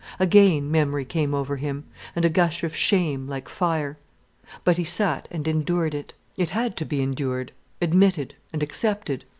Again memory came over him, and a gush of shame, like fire. But he sat and endured it. It had to be endured, admitted, and accepted.